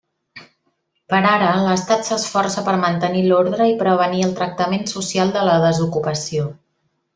Per ara, l'Estat s'esforça per mantenir l'ordre i prevenir el tractament social de la desocupació.